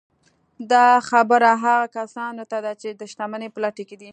دا خبره هغو کسانو ته ده چې د شتمنۍ په لټه کې دي